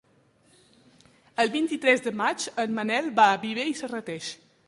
El vint-i-tres de maig en Manel va a Viver i Serrateix.